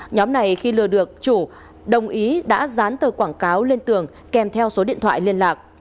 nhóm này khi lừa được chủ đồng ý đã dán tờ quảng cáo lên tường kèm theo số điện thoại liên lạc